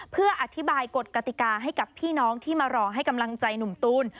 เพื่ออธิบายกฎกติกาให้กับพี่น้องที่มารอให้กำลังใจหนุ่มตูน